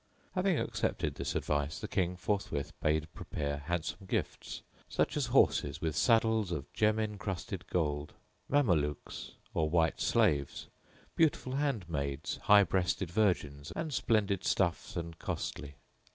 Having accepted this advice the King forthwith bade prepare handsome gifts, such as horses with saddles of gem encrusted gold; Mamelukes, or white slaves; beautiful handmaids, high breasted virgins, and splendid stuffs and costly.